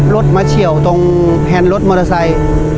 รถมาเฉียวตรงแฮนรถมอเตอร์ไซค์